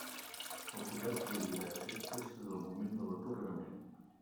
El poder produirà efectes des del moment de l'atorgament.